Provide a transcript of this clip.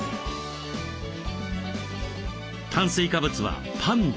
炭水化物はパンで。